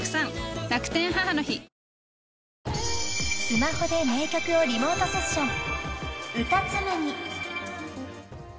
［スマホで名曲をリモートセッション］